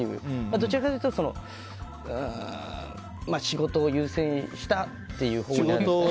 どちらかというと仕事を優先したという。